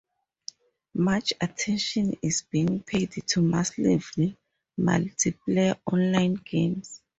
Much attention is being paid to massively multiplayer online games.